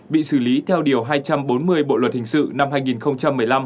bị xử lý theo điều hai trăm bốn mươi bộ luật hình sự năm hai nghìn một mươi năm